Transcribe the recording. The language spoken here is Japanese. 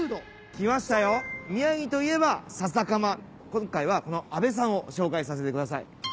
今回はこの阿部さんをご紹介させてください。